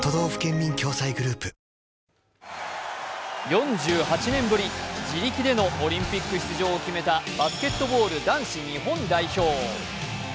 ４８年ぶり、自力でのオリンピック出場を決めた、バスケットボール男子日本代表。